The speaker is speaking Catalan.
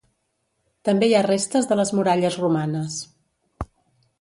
També hi ha restes de les muralles romanes.